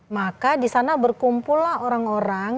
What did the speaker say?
maka di sana berkumpullah orang orang